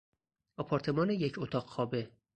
آپارتمان یک اتاق خوابه